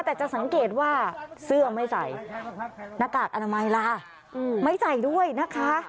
แต่จะสังเกตว่าเสื้อไม่ใส่หน้ากากอนามัยล่ะไม่ใส่ด้วยนะคะ